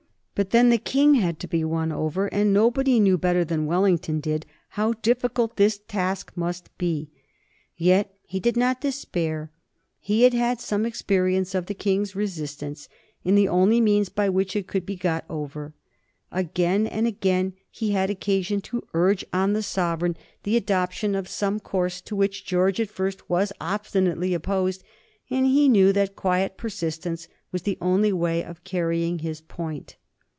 But then the King had to be won over, and nobody knew better than Wellington did how difficult this task must be. Yet he did not despair. He had had some experience of the King's resistance and the only means by which it could be got over. Again and again he had had occasion to urge on the sovereign the adoption of some course to which George, at first, was obstinately opposed, and he knew that quiet persistence was the only way of carrying his point.